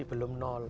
masih belum nol